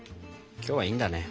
今日はいいんだね。